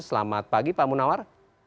selamat pagi pak munawar